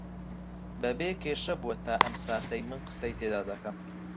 بەبێ کێشە بووە تا ئەم ساتەی من قسەی تێدا دەکەم